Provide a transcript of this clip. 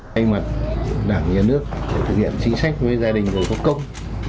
tên mặt đảng nhà nước thực hiện chính sách với gia đình với cộng công